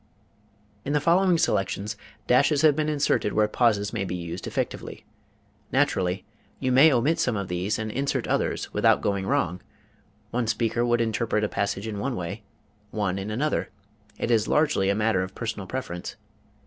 In the following selections dashes have been inserted where pauses may be used effectively. Naturally, you may omit some of these and insert others without going wrong one speaker would interpret a passage in one way, one in another; it is largely a matter of personal preference.